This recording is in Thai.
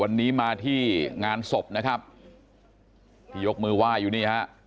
วันนี้มาที่งานศพนะครับที่ยกมือไหว้อยู่นี่ฮะ